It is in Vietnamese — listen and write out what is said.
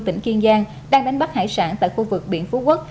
tỉnh kiên giang đang đánh bắt hải sản tại khu vực biển phú quốc